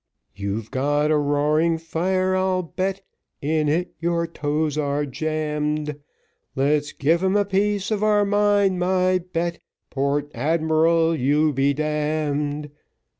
You've got a roaring fire I'll bet, In it your toes are jammed, Let's give him a piece of our mind, my Bet, Port Admiral, you be d d.